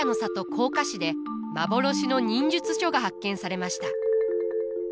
甲賀市で幻の忍術書が発見されました。